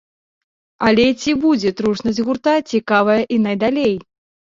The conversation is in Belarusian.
Але ці будзе трушнасць гурта цікавая і найдалей?